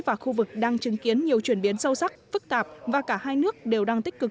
và khu vực đang chứng kiến nhiều chuyển biến sâu sắc phức tạp và cả hai nước đều đang tích cực